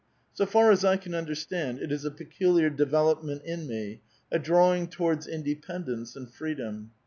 So far as I can understand, it is a pe culiar development in me, a drawing towards independence and freedom.